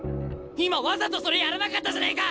今わざとそれやらなかったじゃねえか！